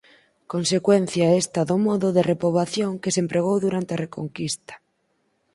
Consecuencia esta do modo de repoboación que se empregou durante a Reconquista.